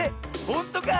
ほんとか？